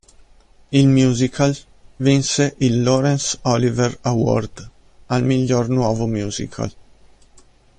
Il musical vinse il Laurence Olivier Award al miglior nuovo musical.